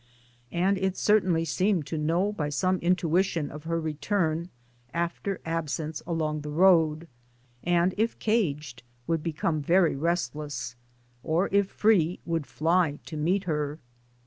And it certainly seemed to know by some intuition of her return after absence along the road, and if caged would become very restless, or if free would fly to meet her.